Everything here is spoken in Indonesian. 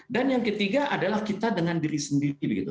dan yang ketiga adalah kita dengan diri sendiri